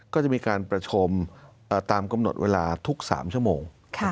ก็จะมีการประชุมตามกำหนดเวลาทุก๓ชั่วโมง